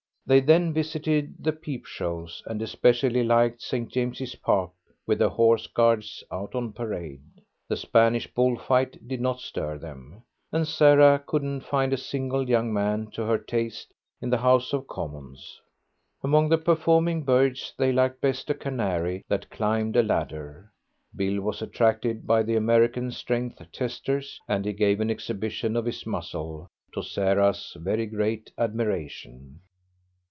They then visited the peep shows, and especially liked St. James's Park with the Horse Guards out on parade; the Spanish bull fight did not stir them, and Sarah couldn't find a single young man to her taste in the House of Commons. Among the performing birds they liked best a canary that climbed a ladder. Bill was attracted by the American strength testers, and he gave an exhibition of his muscle, to Sarah's very great admiration.